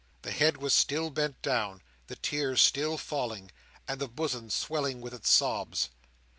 The head was still bent down, the tears still falling, and the bosom swelling with its sobs.